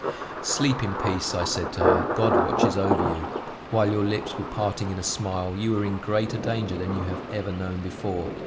"Sleep in peace," I said to her, "God watches over you! While your lips were parting in a smile, you were in greater danger than you have ever known before.